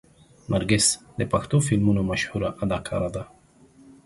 نرګس د پښتو فلمونو مشهوره اداکاره ده.